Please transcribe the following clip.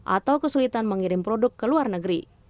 atau kesulitan mengirim produk ke luar negeri